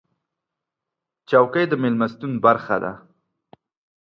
چوکۍ د میلمستون برخه ده.